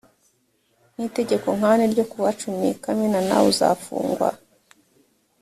nk itegeko nkane ryo kuwa cumi kamena nawe uzafungwa